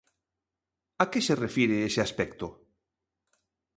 A que se refire ese aspecto?